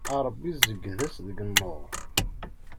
A Ṛebbi zegged-as deg nnur.